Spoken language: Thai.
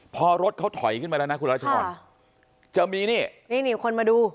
พอรถเขาถอยขึ้นไปแล้วนะคุณรัชพรจะมีนี่นี่คนมาดู